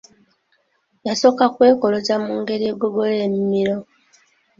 Yasooka kwekoloza mu ngeri egogola emimiro.